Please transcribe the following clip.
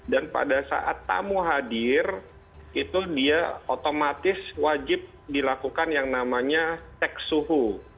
pada saat tamu hadir itu dia otomatis wajib dilakukan yang namanya cek suhu